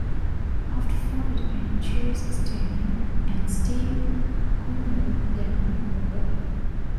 After a fight and chase, Stan and Steve corner Dan Vebber.